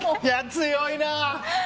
強いな。